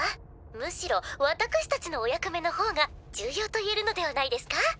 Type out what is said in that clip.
むしろ私たちのお役目の方が重要といえるのではないですか？